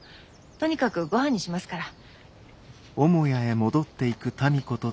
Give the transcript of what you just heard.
とにかくごはんにしますから。